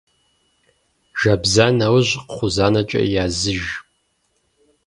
Жэбза нэужь кхъузанэкӀэ языж.